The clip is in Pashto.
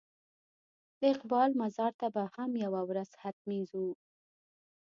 د اقبال مزار ته به هم یوه ورځ حتمي ځو.